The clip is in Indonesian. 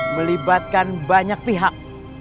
melibatkan banyak pihak